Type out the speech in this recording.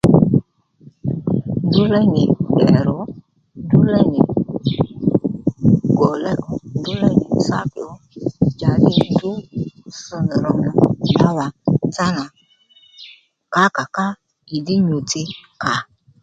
Ndrǔ léy nì ddèrr̀ ò ndrǔ léy nì gòléy ò ndrǔ léy nì sákì ó njàddí nì ndrǔ ss nì ròmà ddǎwà nzánà kǎkà ká ìdhí nyû-tsi kà